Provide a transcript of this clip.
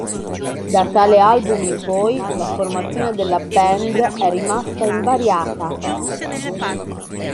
Da tale album in poi, la formazione della band è rimasta invariata.